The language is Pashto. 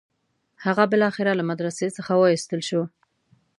هغه بالاخره له مدرسې څخه وایستل شو.